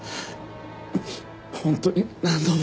本当に何度も。